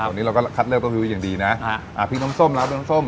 วันนี้เราก็คัดเลือกโต๊ะฮูยีอย่างดีน่ะอ่าอ่าพริกน้ำส้มแล้วพริกน้ำส้ม